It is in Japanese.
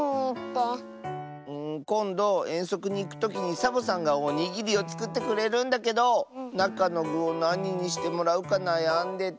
こんどえんそくにいくときにサボさんがおにぎりをつくってくれるんだけどなかのぐをなににしてもらうかなやんでて。